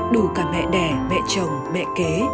đủ cả mẹ đẻ mẹ chồng mẹ kế